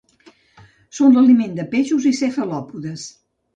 Són l'aliment de peixos i cefalòpodes.